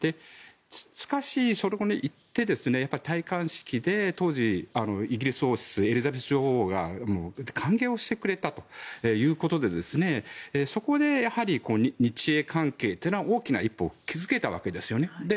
しかし、それに行って戴冠式で当時、イギリス王室エリザベス女王が歓迎してくれたということでそこでやはり日英関係というのは大きな一歩を築けたわけですよね。